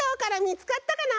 みつかったかな？